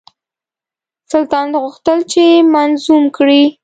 سلطان غوښتل چې منظوم کړي.